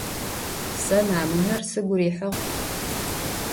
Se mamuner sıgu rihığ.